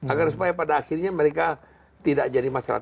agar supaya pada akhirnya mereka tidak jadi masalah